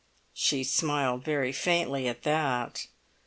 She smiled very faintly at that.